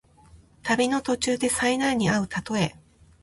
旅の途中で災難にあうたとえ。